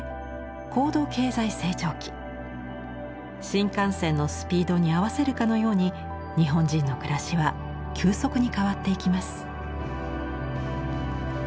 新幹線のスピードに合わせるかのように日本人の暮らしは急速に変わっていきます。